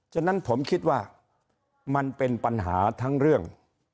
ฉะนั้นผมคิดว่ามันเป็นปัญหาทั้งเรื่อง